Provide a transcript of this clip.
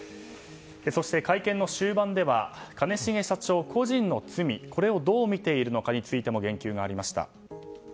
そして、会見の終盤では兼重社長個人の罪これをどう見ているかについても言及がありました。